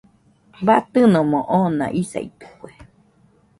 Batɨnomo oona isaitɨkue.